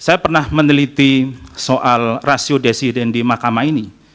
saya pernah meneliti soal rasio desiden di mahkamah ini